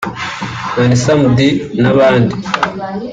Vanessa Mdee n’abandi